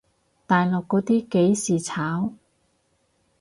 大陸嗰啲幾時炒？